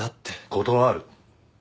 断る。